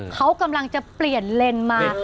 เขากำลังจะเปลี่ยนเลนมา